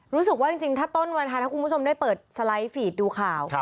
รู้สึกว่าจริงถ้าต้นวันไทยถ้าคุณผู้ชมได้เปิดสไลด์ฟีดดูข่าว